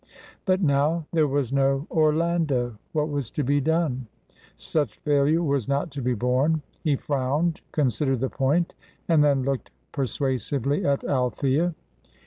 But now there was no Orlando, what was to be done? Such failure was not to be borne. He frowned, considered the point, and then looked persuasively at Althea.